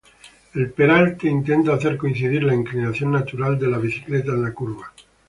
El peralte intenta hacer coincidir la inclinación natural de la bicicleta en la curva.